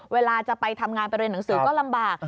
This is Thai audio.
เวลาจะไปทำงานไปเรียนหนังสือก็ลำบาก